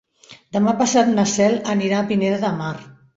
Demà passat na Cel anirà a Pineda de Mar.